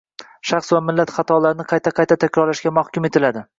Shaxs va millat xatolarni qayta-qayta takrorlashga mahkum etiladi.